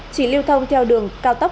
chỉ lưu thông theo đường cao tăng